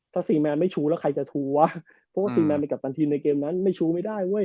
ถ้าซีแมนไม่ชู้แล้วใครจะชูวะเพราะว่าซีแมนเป็นกัปตันทีมในเกมนั้นไม่ชู้ไม่ได้เว้ย